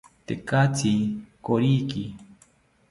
Tekatzi koriki